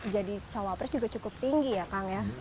jadi cawapres juga cukup tinggi ya kang ya